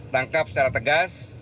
tangkap secara tegas